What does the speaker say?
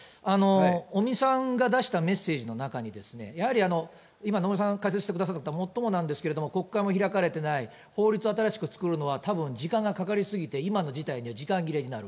尾身さんが出したメッセージの中に、やはり、今、野村さんが解説してくださったことはもっともなんですけれども、国会も開かれてない、法律を新しく作るのはたぶん時間がかかり過ぎて、今の事態で時間切れになる。